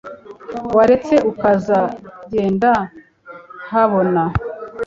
waretse ukaza genda habona